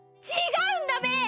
違うんだべ！